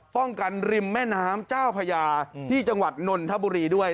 กันริมแม่น้ำเจ้าพญาที่จังหวัดนนทบุรีด้วย